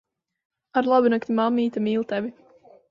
Arlabunakti. Mammīte mīl tevi.